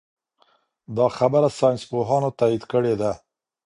دا خبره ساینس پوهانو تایید کړې ده.